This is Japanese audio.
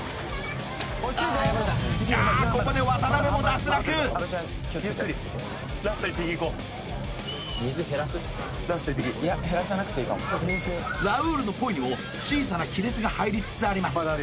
あーここで渡辺も脱落ゆっくりラスト１匹いこうラウールのポイにも小さな亀裂が入りつつあります